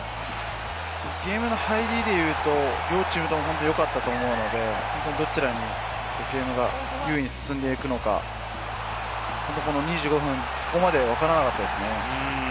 ゲームの入りでいうと、両チームとも本当に良かったと思うので、どちらに有利に進んでいくのか、２５分、ここまではわからなかったですね。